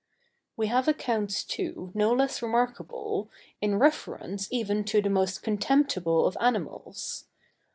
] We have accounts, too, no less remarkable, in reference even to the most contemptible of animals.